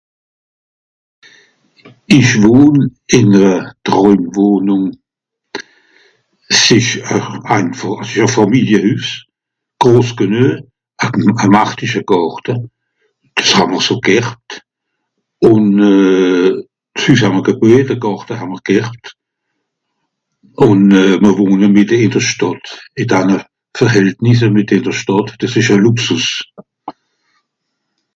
Ìch wohn ìn e Tràuimwohnùng. S'ìsch e... einfàch... s'ìsch e Fàmiliehüss. Gros genue, e m... e machtischer Gàrte, dìs hàà'mr so gherbt. Ùn euh... s'Hüss hàà'mr geböje, de Gàrte hàà'mr gherbt. Ùn euh... mr wohne mìtte ìn de Stàdt, ìn danne Verhältnis mìtte ìn de Stàdt. Dìs ìsch e Luxus.